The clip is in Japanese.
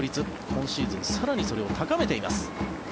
今シーズン更にそれを高めています。